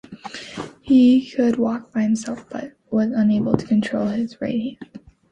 He could walk by himself, but was unable to control his right hand.